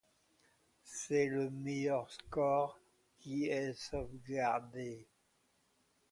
C'est le meilleur score qui est sauvegardé.